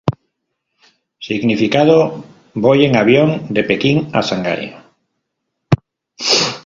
Significando: "Voy, en avión, de Pekín a Shanghái".